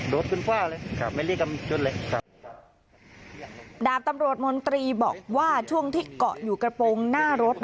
ดาบตำรวจมนตรีบอกว่าช่วงที่เกาะอยู่กระโปรงหน้ารถ